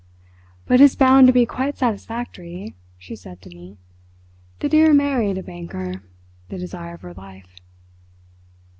"But it is bound to be quite satisfactory," she said to me. "The dear married a banker—the desire of her life."